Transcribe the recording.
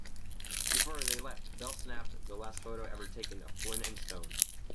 Before they left, Bell snapped the last photo ever taken of Flynn and Stone.